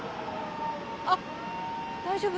あ大丈夫？